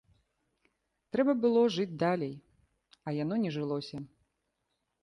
Трэба было жыць далей, а яно не жылося.